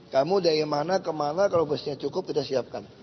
kamu dari mana kemana kalau busnya cukup kita siapkan